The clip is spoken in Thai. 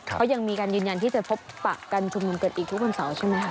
เขายังมีการยืนยันที่จะพบปะกันชุมนุมกันอีกทุกวันเสาร์ใช่ไหมคะ